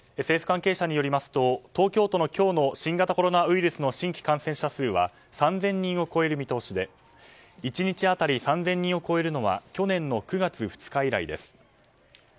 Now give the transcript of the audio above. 政府関係者によりますと東京都の今日の新型コロナウイルスの新規感染者数は３０００人を超える見通しで１日当たり３０００人を超えるのは去年の９月２日以来です。